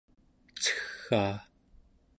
ceggaa